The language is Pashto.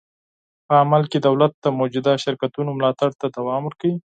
په عمل کې دولت د موجوده شرکتونو ملاتړ ته دوام ورکوي.